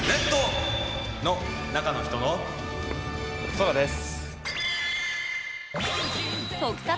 そらです。